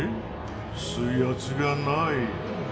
水圧がない。